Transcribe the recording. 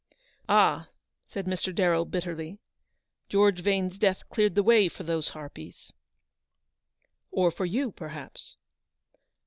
"Ah," said Mr. Darrell, bitterly, "George Vane's death cleared the way for those harpies. "" Or for you, perhaps."